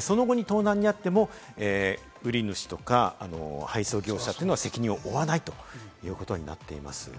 その後に盗難に遭っても売主とか配送業者は責任を負わないということになっています。